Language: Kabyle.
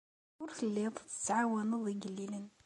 Ur telliḍ tettɛawaneḍ igellilen.